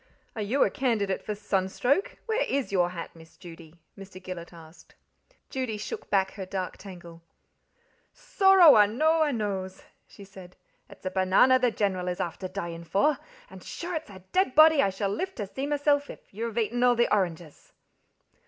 "Are you a candidate for sunstroke where IS your hat, Miss Judy?" Mr. Gillet asked. Judy shook back her dark tangle: "Sorrow a know I knows," she said "it's a banana the General is afther dyin' for, and sure it's a dead body I shall live to see misself if you've eaten all the oranges."